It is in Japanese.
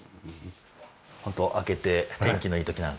ホント開けて天気のいい時なんかは。